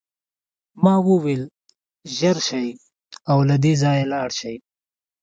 ما وویل چې ژر شئ او له دې ځایه لاړ شئ